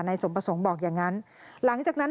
ในสมปสงฅ์บอกอย่างนั้น